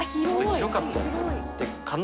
広かったんですよ。